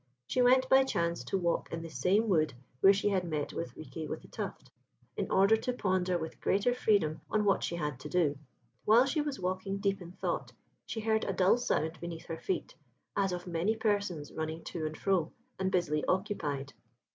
She went, by chance, to walk in the same wood where she had met with Riquet with the Tuft, in order to ponder with greater freedom on what she had to do. While she was walking, deep in thought, she heard a dull sound beneath her feet, as of many persons running to and fro, and busily occupied.